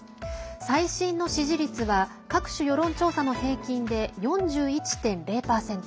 最新の支持率は、各種世論調査の平均で４１．０％。